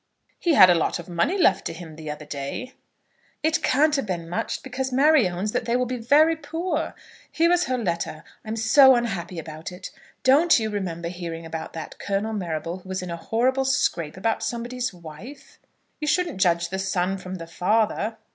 "He had a lot of money left to him the other day." "It can't have been much, because Mary owns that they will be very poor. Here is her letter. I am so unhappy about it. Don't you remember hearing about that Colonel Marrable who was in a horrible scrape about somebody's wife?" "You shouldn't judge the son from the father."